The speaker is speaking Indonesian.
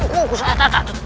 kusaya teh teh teh